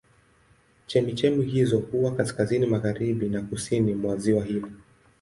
Chemchemi hizo huwa kaskazini magharibi na kusini mwa ziwa hili.